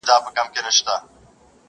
او کندهار ښار په روښانه سو